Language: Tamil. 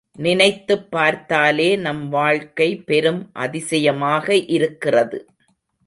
நினைத்துப் பார்த்தாலே நம் வாழ்க்கை பெரும் அதிசயமாக இருக்கிறது!